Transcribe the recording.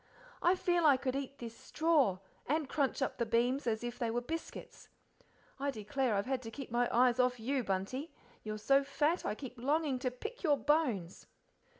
I feel I could eat this straw, and crunch up the beams as if they were biscuits. I declare I've had to keep my eyes off you, Bunty; you're so fat I keep longing to pick your bones."